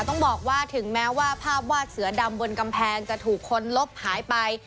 ต้องบอกว่าถึงแม้ว่าภาพวาดเสือดำบนกำแพงจะถูกคนลบหายไป